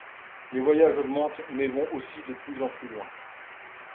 Les voyages augmentent, mais vont aussi de plus en plus loin...